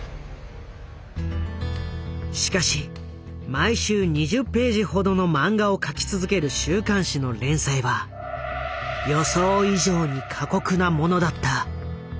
しかし毎週２０ページほどの漫画を描き続ける週刊誌の連載は予想以上に過酷なものだった。